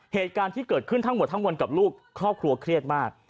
เหตุการณ์ที่เกิดขึ้นทั้งหมดทั้งมวลกับลูกครอบครัวเครียดมาก